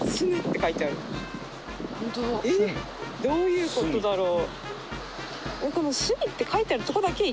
どういうことだろう？